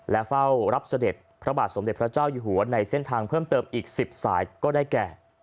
และเฝ้ารับเสด็จพระบาทสมเด็จพระเจ้าอยู่หัวในเส้นทางเพิ่มเติมอีก๑๐สายก็ได้แก่